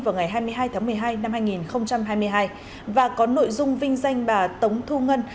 vào ngày hai mươi hai tháng một mươi hai năm hai nghìn hai mươi hai và có nội dung vinh danh bà tống thu ngân